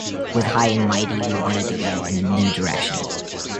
With 'High and Mighty' we wanted to go in a new direction.